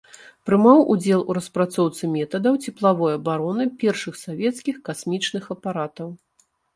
Прымаў удзел у распрацоўцы метадаў цеплавой абароны першых савецкіх касмічных апаратаў.